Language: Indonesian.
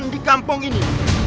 di kampung ini